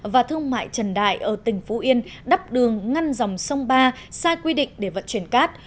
và thương mại trần đại ở tỉnh phú yên đắp đường ngăn dòng sông ba sai quy định để vận chuyển cát